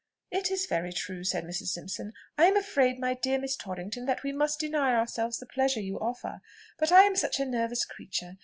"It is very true," said Mrs. Simpson. "I am afraid, my dear Miss Torrington, that we must deny ourselves the pleasure you offer; but I am such a nervous creature!